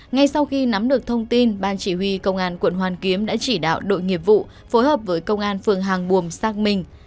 ngay sau khi nắm được thông tin ban chỉ huy công an quận hoàn kiếm đã chỉ đạo đội nghiệp vụ phối hợp với công an phường hàng buồm xác minh